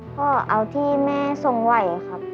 ก็เอาที่แม่ทรงไหวครับ